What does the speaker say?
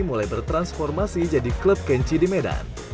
mulai bertransformasi jadi klub kenchi di medan